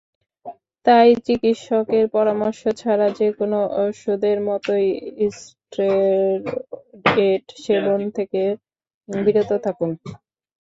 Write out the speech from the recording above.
তাই চিকিৎসকের পরামর্শ ছাড়া যেকোনো ওষুধের মতোই স্টেরয়েড সেবন থেকে বিরত থাকুন।